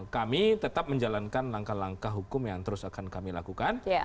kami tetap menjalankan langkah langkah hukum yang terus akan kami lakukan